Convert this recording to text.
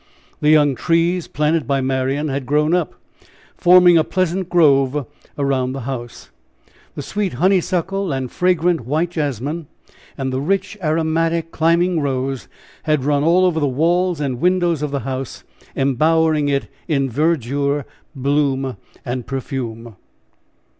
The young trees planted by Marian, had grown up, forming a pleasant grove around the house. The sweet honeysuckle and fragrant white jasmine, and the rich, aromatic, climbing rose, had run all over the walls and windows of the house, embowering it in verdure, bloom and perfume.